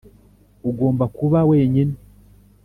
ugomba kuba wenyine